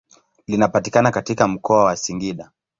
Linapatikana katika mkoa wa Singida.